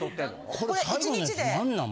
これ最後のやつ何なん？